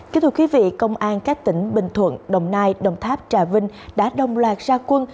kính thưa quý vị công an các tỉnh bình thuận đồng nai đồng tháp trà vinh đã đồng loạt ra quân